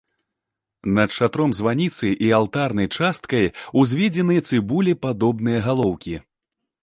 Над шатром званіцы і алтарнай часткай узведзены цыбулепадобныя галоўкі.